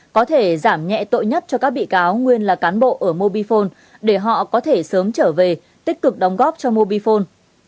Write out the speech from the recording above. có thể giảm nhẹ tội nhất cho các bị cáo nguyên là cán bộ ở mobifone để họ có thể sớm trở về tích cực đóng góp cho mobifone